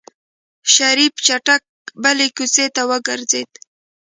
شريف چټک بلې کوڅې ته وګرځېد.